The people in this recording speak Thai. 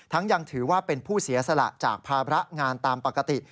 ยังถือว่าเป็นผู้เสียสละจากภาระงานตามปกติ